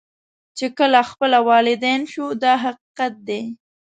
چې کله خپله والدین شو دا حقیقت دی.